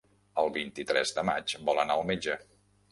El vint-i-tres de maig vol anar al metge.